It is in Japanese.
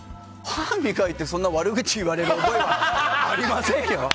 歯を磨いてそんな悪口言われる覚えはありませんよ。